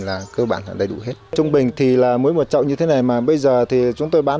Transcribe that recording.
là cơ bản là đầy đủ hết trung bình thì là mỗi một chậu như thế này mà bây giờ thì chúng tôi bán